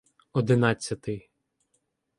Одинадцятий